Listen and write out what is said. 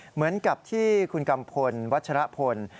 เหมือนกับที่คุณกัมพลวัชรพล